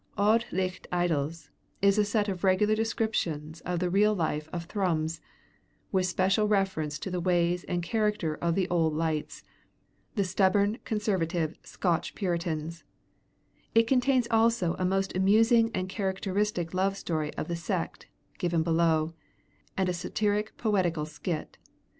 'Auld Licht Idylls' is a set of regular descriptions of the life of "Thrums," with special reference to the ways and character of the "Old Lights," the stubborn conservative Scotch Puritans; it contains also a most amusing and characteristic love story of the sect (given below), and a satiric political skit.